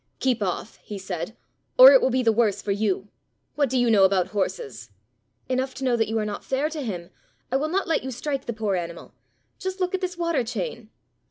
"Keep off," he said, "or it will be the worse for you. What do you know about horses?" "Enough to know that you are not fair to him. I will not let you strike the poor animal. Just look at this water chain!"